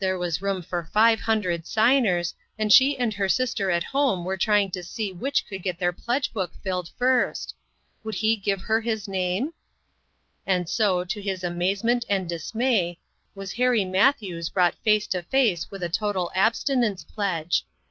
26l was room for five hundred signers, and she and her sister at home were trying to see which could get their pledge book filled first. Would he give her his name ? And so, to his amazement and dismay, was Harry Matthews brought face to face with a total abstinence pledge.